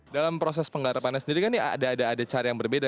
dalam proses penggarapannya sendiri kan ada cara yang berbeda